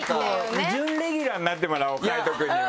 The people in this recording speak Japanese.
準レギュラーになってもらおう海人くんには。